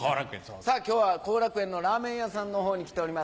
さぁ今日は後楽園のラーメン屋さんの方に来ております。